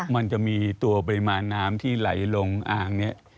มันจะมีตัวปริมาณน้ำที่ไหลลงอ่างนี้